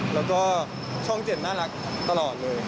แล้วก็ช่อง๗น่ารักตลอดเลย